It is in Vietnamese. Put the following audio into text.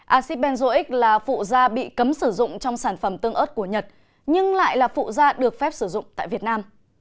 acid benzoic là phụ da bị cấm sử dụng trong sản phẩm tương ớt của nhật nhưng lại là phụ da được phép sử dụng tại việt nam